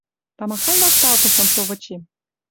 Тамахань вашталтышым со вычем